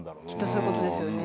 そういうことですよね。